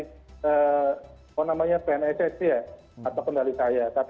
kalau namanya pnss ya atau pendali saya